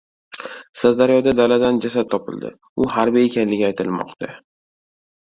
Sirdaryoda daladan jasad topildi. U harbiy ekanligi aytilmoqda